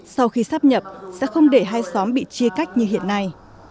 sau khi sắp nhập sẽ không để hai xóm bị chia cách như hiện nay